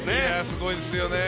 すごいですよね。